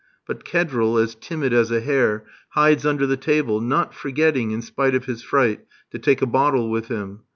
But Kedril, as timid as a hare, hides under the table, not forgetting, in spite of his fright, to take a bottle with him.